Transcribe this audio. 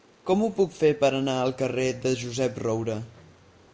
Com ho puc fer per anar al carrer de Josep Roura?